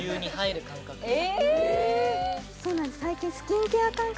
そうなんです